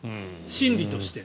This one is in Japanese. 心理として。